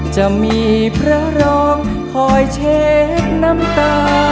จะมีพระรองคอยเช็คน้ำตา